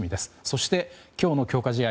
そして、今日の強化試合